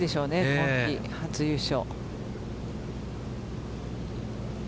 今季初優勝。